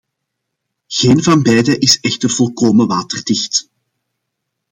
Geen van beide is echter volkomen waterdicht.